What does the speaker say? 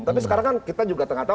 tapi sekarang kan kita juga tengah tahu